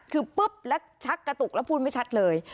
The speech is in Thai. คือปุ๊บแล้วชักกระตุกแล้วพูดไม่ชัดเลย